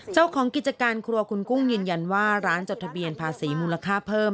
เจ้าของกิจการครัวคุณกุ้งยืนยันว่าร้านจดทะเบียนภาษีมูลค่าเพิ่ม